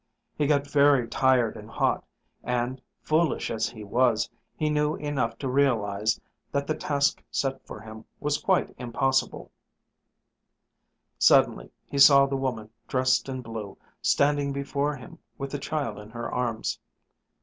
He got very tired and hot; and, foolish as he was, he knew enough to realize that the task set for him was quite impossible. Suddenly he saw the woman dressed in blue standing before him with the child in her arms.